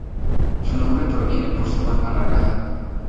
Su nombre proviene por su forma alargada.